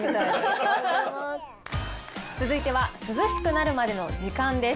続いては、涼しくなるまでの時間です。